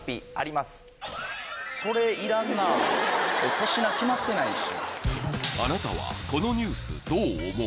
粗品決まってないし。